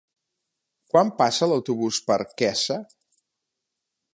Quan passa l'autobús per Quesa?